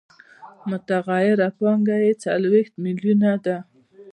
متغیره پانګه یې څلوېښت میلیونه ده